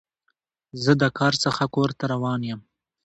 زه د کار څخه کور ته روان یم.